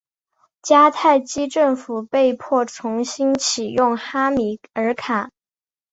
迦太基政府被迫重新起用哈米尔卡。